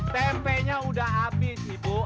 tempenya udah abis ibu